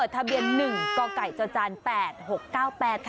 ทะเบียนหนึ่งกไก่เจ้าจานแปดหกเก้าแปด